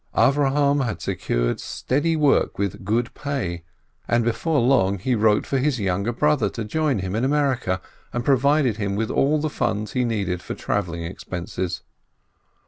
Avrohom had secured steady work with good pay, and before long he wrote for his younger brother to join him in America, and provided him with all the funds he needed for travelling expenses.